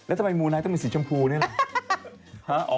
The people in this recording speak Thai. แล้วทำไมมูลนายต้องมีสีชมพูนี่ล่ะ